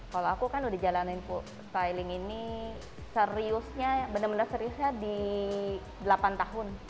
kalau aku kan udah jalanin styling ini seriusnya benar benar seriusnya di delapan tahun